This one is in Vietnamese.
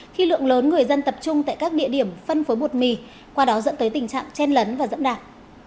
khi lượng lớn người dân tập trung tại các địa điểm phân phối bột mì qua đó dẫn tới tình trạng chen lấn và dẫn đạc